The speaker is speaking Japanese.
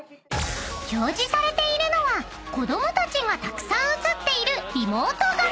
［表示されているのは子供たちがたくさん映っている］